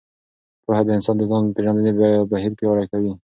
پوهه د انسان د ځان پېژندنې بهیر پیاوړی کوي.